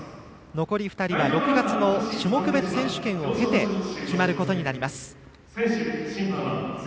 残り２人は６月の種目別選手権を経て決まることになります。